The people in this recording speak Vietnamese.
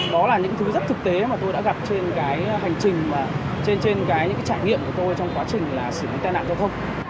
đó là những thứ rất thực tế mà tôi đã gặp trên cái hành trình trên những trải nghiệm của tôi trong quá trình là xử lý tai nạn giao thông